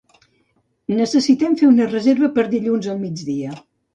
Necessitem fer una reserva per dilluns al migdia.